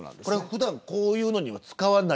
普段こういうものには使わない。